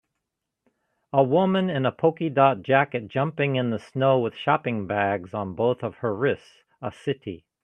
A woman in a poky dot jacket jumping in the snow with shopping bags on both of her wrists a city